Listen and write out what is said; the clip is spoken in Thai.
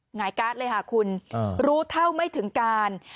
หงายการ์ดเลยค่ะคุณรู้เท่าไม่ถึงการ